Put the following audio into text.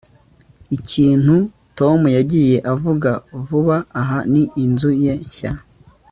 ikintu tom yagiye avuga vuba aha ni inzu ye nshya